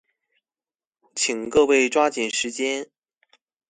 请各位抓紧时间。